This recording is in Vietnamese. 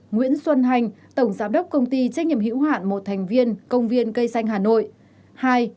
nguyễn xuân hành tổng giám đốc công ty trách nhiệm hữu hạn một thành viên công viên cây xanh hà nội